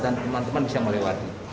dan teman teman bisa melewati